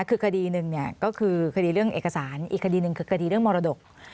คือคดีหนึ่งก็คือคดีเรื่องเอกสารอีกคดีหนึ่งคือคดีเรื่องมรดก